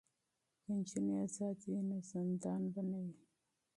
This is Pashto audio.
که نجونې ازادې وي نو زندان به نه وي.